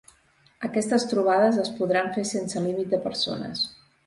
Aquestes trobades es podran fer sense límit de persones.